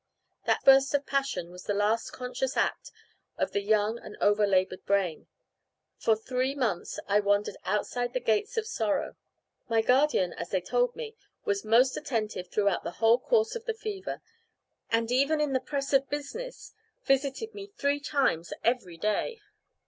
That burst of passion was the last conscious act of the young and over laboured brain. For three months I wandered outside the gates of sorrow. My guardian, as they told me, was most attentive throughout the whole course of the fever, and even in the press of business visited me three times every day.